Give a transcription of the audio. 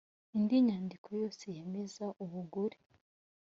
indi nyandiko yose yemeza ubugure